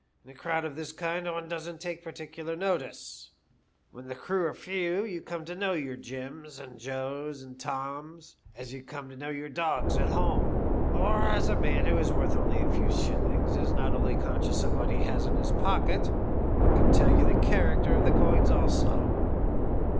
In a crowd of this kind one doesn't take particular notice. When the crew are few, you come to know your Jims, and Joes, and Toms, as you come to know your dogs at home, or as a man who is worth only a few shillings is not only conscious of what he has in his pocket, but can tell you the character of the coins also.